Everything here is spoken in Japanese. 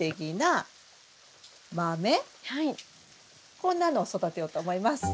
こんなのを育てようと思います。